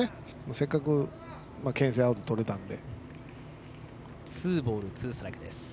せっかくアウトがとれたので。